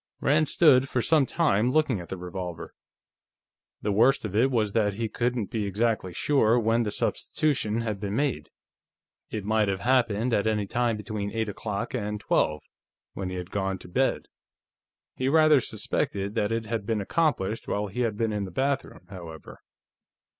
Rand stood for some time looking at the revolver. The worst of it was that he couldn't be exactly sure when the substitution had been made. It might have happened at any time between eight o'clock and twelve, when he had gone to bed. He rather suspected that it had been accomplished while he had been in the bathroom, however.